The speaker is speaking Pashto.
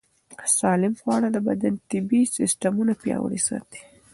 سالم خواړه د بدن طبیعي سیستمونه پیاوړي ساتي.